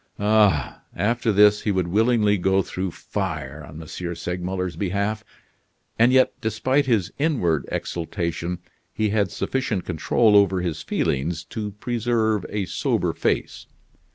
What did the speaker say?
Ah! after this he would willingly go through fire on M. Segmuller's behalf. And yet, despite his inward exultation, he had sufficient control over his feelings to preserve a sober face.